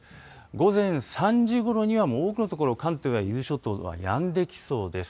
午前３時ごろには多くの所、関東や伊豆諸島はやんできそうです。